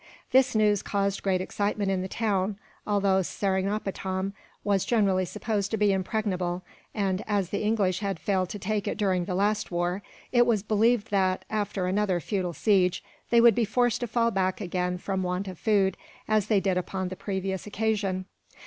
This news caused great excitement in the town, although Seringapatam was generally supposed to be impregnable and, as the English had failed to take it during the last war, it was believed that, after another futile siege, they would be forced to fall back again from want of food, as they did upon the previous occasion.